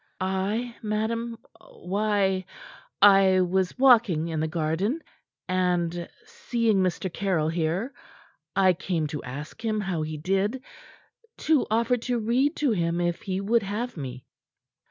"I, madam? Why I was walking in the garden, and seeing Mr. Caryll here, I came to ask him how he did; to offer to read to him if he would have me."